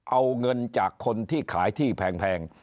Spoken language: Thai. เอาเงินจากคนที่ขายที่แพง